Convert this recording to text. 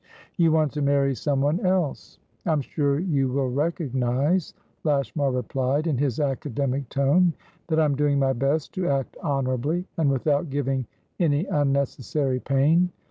"You want to marry someone else?" "I'm sure you will recognise," Lashmar replied, in his academic tone, "that I am doing my best to act honourably, and without giving any unnecessary pain.